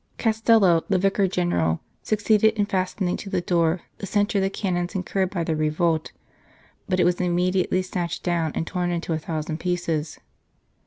Castello, the Vicar General, succeeded in fasten ing to the door the censure the Canons incurred by their revolt, but it was immediately snatched down and torn into a thousand pieces.